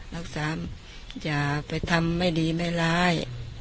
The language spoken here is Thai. รักษาอย่าไปทำไม่ดีไม่ร้าย